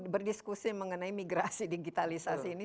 berdiskusi mengenai migrasi digitalisasi ini